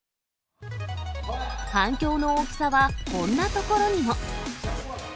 反響の大きさは、こんなところにも。